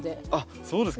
そうですか！